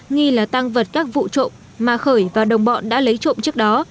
nghi là tăng vật các vụ trộm mà khởi và đồng bọn đã lấy trộm trước đó